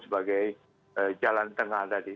sebagai jalan tengah tadi